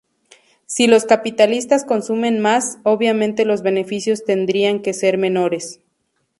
Si los capitalistas consumen más, obviamente los beneficios tendrían que ser menores.